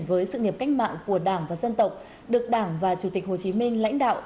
với sự nghiệp cách mạng của đảng và dân tộc được đảng và chủ tịch hồ chí minh lãnh đạo